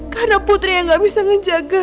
karena putri yang gak bisa menjaga